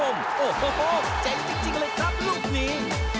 โอ้โหเจ๋งจริงเลยครับลูกนี้